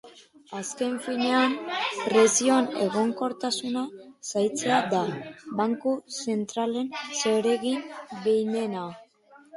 Azken finean, prezioen egonkortasuna zaintzea da banku zentralen zeregin behinena.